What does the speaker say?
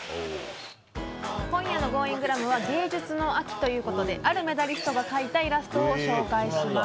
今夜のＧｏｉｎｇｒａｍは芸術の秋ということであるメダリストが描いたイラストを紹介します。